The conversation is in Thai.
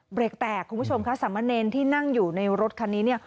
เบรกแตกคุณผู้ชมค่ะสามเณรที่นั่งอยู่ในรถคันนี้เนี่ย